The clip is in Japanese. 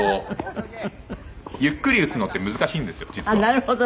なるほど。